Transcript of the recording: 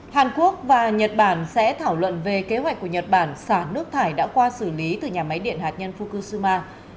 hàn quốc và nhật bản sẽ thảo luận về kế hoạch của nhật bản xả nước thải đã qua xử lý từ nhà máy điện hạt nhân fukushima